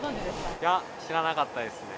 いや、知らなかったですね。